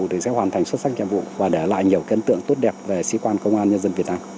thì sẽ hoàn thành xuất sắc nhiệm vụ và để lại nhiều kiến tượng tốt đẹp về sĩ quan công an nhân dân việt nam